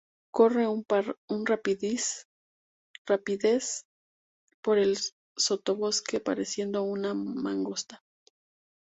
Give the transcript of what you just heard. Corre con rapidez por el sotobosque pareciendo una mangosta.